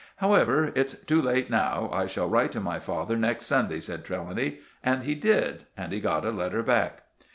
"However, it's too late now; I shall write to my father next Sunday," said Trelawny; and he did, and he got a letter back.